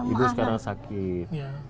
ibu sekarang sakit